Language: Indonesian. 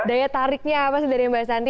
daya tariknya apa sih dari mbak santi